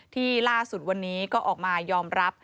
ที่ล่าสุดวันนี้ก็ออกมายอมรับ